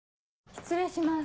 失礼します